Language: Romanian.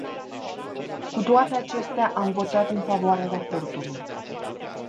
Cu toate acestea, am votat în favoarea raportului.